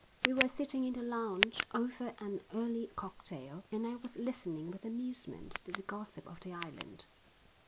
We were sitting in the lounge over an early cocktail and I was listening with amusement to the gossip of the island.